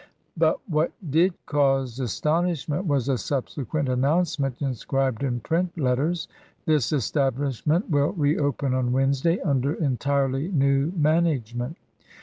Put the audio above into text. But what did cause astonishment was a subsequent announcement inscribed in print letters: "This establishment will reopen on Wednesday under entirely new management.